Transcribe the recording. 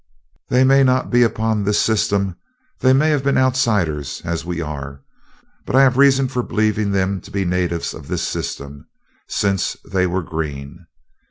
"They may not be upon this system; they may have been outsiders, as we are but I have reasons for believing them to be natives of this system, since they were green.